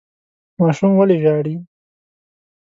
ماشوم ولې ژاړي ؟